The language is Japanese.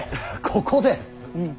ここで？